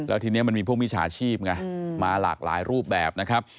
แล้วทีนี้มันมีพวกมิจฉาชีพไงมาหลากหลายรูปแบบนะครับ